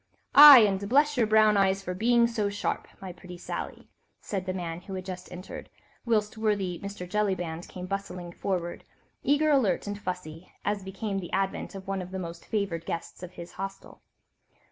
"Aye, and bless your brown eyes for being so sharp, my pretty Sally," said the man who had just entered, whilst worthy Mr. Jellyband came bustling forward, eager, alert and fussy, as became the advent of one of the most favoured guests of his hostel.